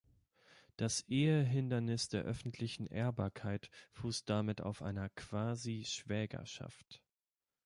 Das Ehehindernis der öffentliche Ehrbarkeit fußt damit auf einer Quasi-Schwägerschaft.